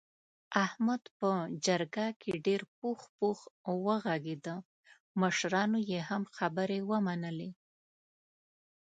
احمد په جرګه کې ډېر پوخ پوخ و غږېدا مشرانو یې هم خبرې ومنلې.